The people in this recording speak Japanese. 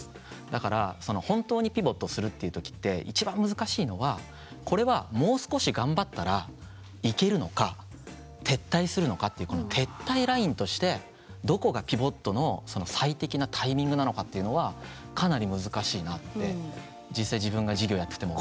だから本当にピボットするっていう時って一番難しいのはこれはもう少し頑張ったらいけるのか撤退するのかっていうこの撤退ラインとしてどこがピボットの最適なタイミングなのかっていうのはかなり難しいなって実際自分が事業やってても。